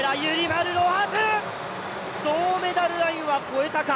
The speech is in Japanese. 銅メダルラインは越えたか？